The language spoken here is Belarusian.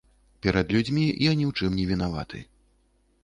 Перад людзьмі я ні ў чым не вінаваты.